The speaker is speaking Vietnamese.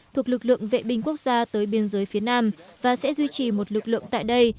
thuộc lực lượng vệ binh quốc gia tới biên giới phía nam và sẽ duy trì một lực lượng tại đây